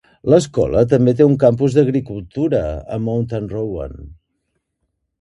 L'escola també té un campus d'Agricultura a Mount Rowan.